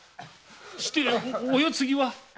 してお世継ぎは？